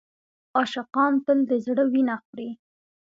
عاشقان تل د زړه وینه خوري.